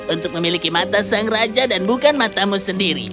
untuk memiliki mata sang raja dan bukan matamu sendiri